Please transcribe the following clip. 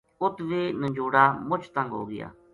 اُت ویہ ننجوڑا مُچ تنگ ہو گیا